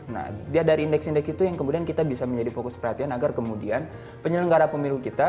nah dari indeks indeks itu yang kemudian kita bisa menjadi fokus perhatian agar kemudian penyelenggara pemilu kita